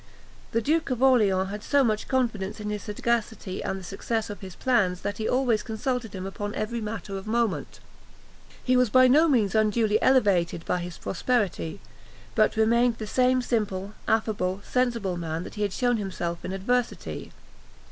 The Duke of Orleans had so much confidence in his sagacity and the success of his plans, that he always consulted him upon every matter of moment. He was by no means unduly elevated by his prosperity, but remained the same simple, affable, sensible man that he had shewn himself in adversity.